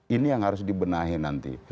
ini yang harus dibenahi nanti